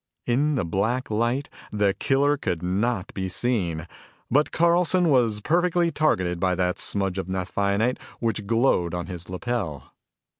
In the black light, the killer could not be seen, but Carlson was perfectly targeted by that smudge of naphthionate which glowed on his lapel.